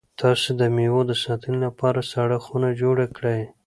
تاسو د مېوو د ساتنې لپاره سړه خونه جوړه کړئ.